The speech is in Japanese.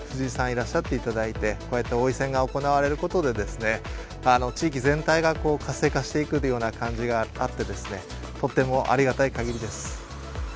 いらっしゃっていただいて、こうやって王位戦が行われることで、地域全体が活性化していくような感じがあって、とってもありがたいかぎりです。